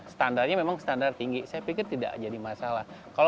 standarnya memang standar tinggi saya pikir tidak jadi masalah